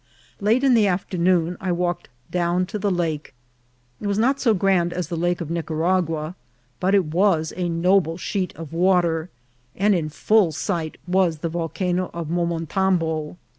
Late in the afternoon I walked down to the lake. It was not so grand as the Lake of Nicaragua, but it was a noble sheet of water, and in full sight was the Volcano of Momontanbo.